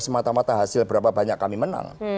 semata mata hasil berapa banyak kami menang